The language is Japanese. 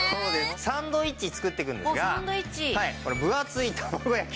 サンドイッチ作っていくんですが分厚い玉子焼き。